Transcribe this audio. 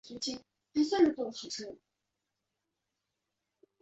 作品内也有参考国立站和其他市内的环境而设计的场景。